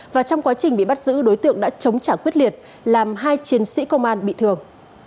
và trong quá trình bị bắt giữ đối tượng đã chống trả quyết liệt làm hai chiến sĩ công an bị thương